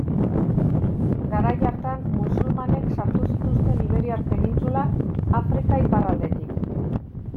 Garai hartan, musulmanek sartu zituzten Iberiar penintsulan, Afrika iparraldetik.